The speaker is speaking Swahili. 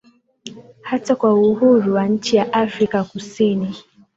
hata kwa uhuru wa nchi ya afrika kusini